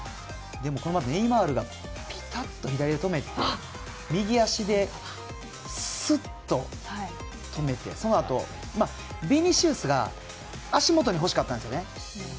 これをネイマールがぴたっと左で止めて右足で、すっと止めてそのあとビニシウスが足元に欲しかったんですよね。